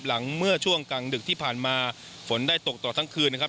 เมื่อช่วงกลางดึกที่ผ่านมาฝนได้ตกต่อทั้งคืนนะครับ